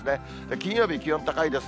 金曜日、気温高いです。